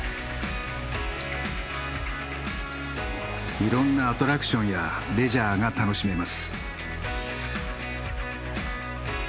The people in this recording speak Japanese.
いろんなアトラクションやレジャーが楽しめます。